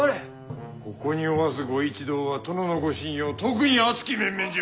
ここにおわすご一同は殿のご信用特に厚き面々じゃ。